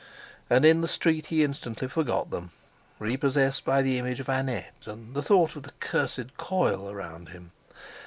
And in the street he instantly forgot them, repossessed by the image of Annette and the thought of the cursed coil around him.